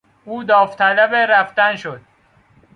او داوطلب رفتن شد.